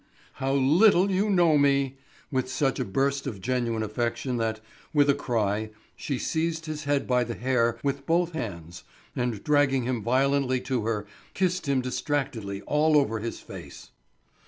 How little you know me!" with such a burst of genuine affection that, with a cry, she seized his head by the hair with both hands, and dragging him violently to her kissed him distractedly all over his face.